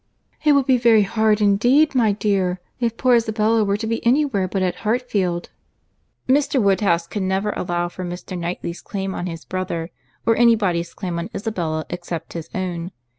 "It would be very hard, indeed, my dear, if poor Isabella were to be anywhere but at Hartfield." Mr. Woodhouse could never allow for Mr. Knightley's claims on his brother, or any body's claims on Isabella, except his own.